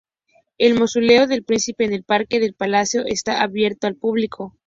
El Mausoleo del Príncipe en el parque del palacio está abierto al público.